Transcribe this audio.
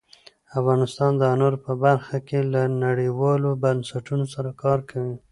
افغانستان د انارو په برخه کې له نړیوالو بنسټونو سره کار کوي.